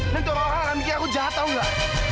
nanti orang orang akan mikir aku jahat tau gak